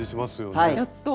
はい。